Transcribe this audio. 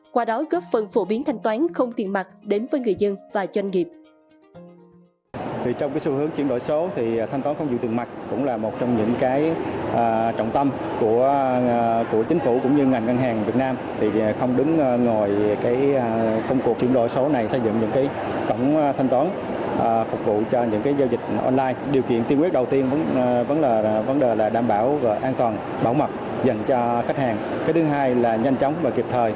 qua đó góp phần phổ biến thanh toán không tiền mặt đến với người dân và doanh nghiệp